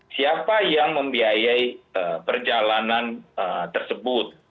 siapa yang membiayai perjalanan tersebut